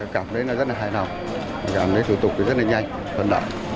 cảm thấy nó rất là hài lòng cảm thấy thủ tục rất là nhanh phân đẳng